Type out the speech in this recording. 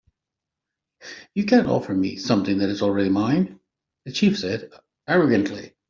"You can't offer me something that is already mine," the chief said, arrogantly.